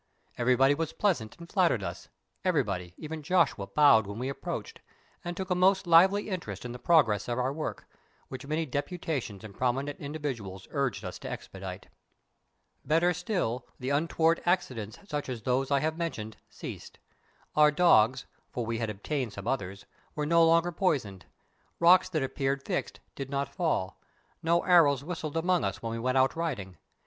Everybody was pleasant and flattered us—everybody, even Joshua, bowed when we approached, and took a most lively interest in the progress of our work, which many deputations and prominent individuals urged us to expedite. Better still, the untoward accidents such as those I have mentioned, ceased. Our dogs, for we had obtained some others, were no longer poisoned; rocks that appeared fixed did not fall; no arrows whistled among us when we went out riding.